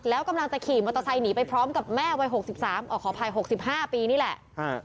แล้วกำลังจะขี่มอเตอร์ไซค์หนีไปพร้อมกับแม่วัย๖๓ขออภัย๖๕ปีนี่แหละ